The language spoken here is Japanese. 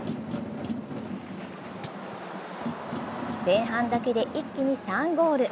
前半だけで一気に３ゴール。